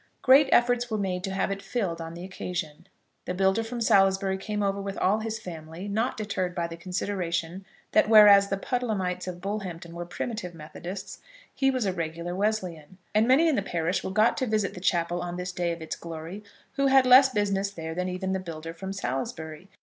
Great efforts were made to have it filled on the occasion. The builder from Salisbury came over with all his family, not deterred by the consideration that whereas the Puddlehamites of Bullhampton were Primitive Methodists, he was a regular Wesleyan. And many in the parish were got to visit the chapel on this the day of its glory, who had less business there than even the builder from Salisbury.